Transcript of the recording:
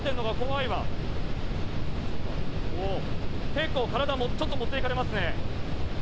結構、体も、ちょっと持っていかれますね。